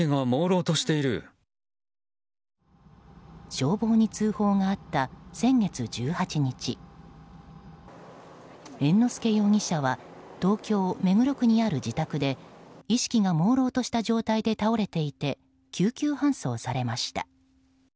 消防に通報があった先月１８日猿之助容疑者は東京・目黒区にある自宅で意識がもうろうとした状態で倒れていて救急搬送されました。